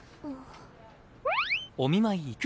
お見舞い行く？